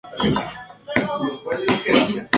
Fue miembro de la Academia Francesa de Medicina.